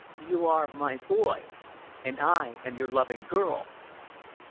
"You are my boy ... and I am your loving girl."